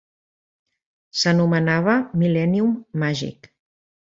S'anomenava Millennium Magic.